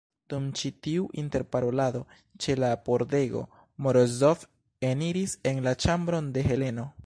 Dum ĉi tiu interparolado ĉe la pordego, Morozov eniris en la ĉambron de Heleno.